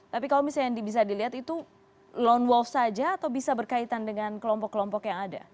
tapi kalau misalnya bisa dilihat itu lone wolf saja atau bisa berkaitan dengan kelompok kelompok yang ada